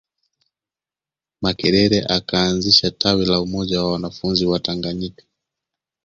Makerere akaanzisha tawi la Umoja wa wanafunzi Watanganyika